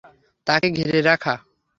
তাঁকে ঘিরে রাখ।